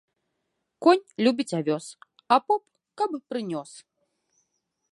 Конь любіць авёс, а поп ‒ каб прынёс